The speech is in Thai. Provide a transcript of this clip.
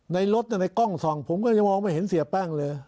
ในรถในกล้องส่องผมก็ยังมองไม่เห็นเสียแป้งเลย